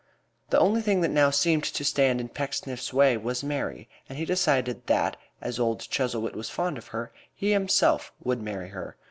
The only thing that now seemed to stand in Pecksniff's way was Mary, and he decided that, as old Chuzzlewit was fond of her, he himself would marry her.